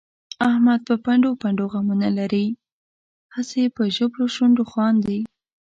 احمد په پنډو پنډو غمونه لري، هسې په ژبلو شونډو خاندي.